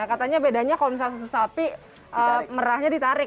katanya bedanya kalau misalnya susu sapi merahnya ditarik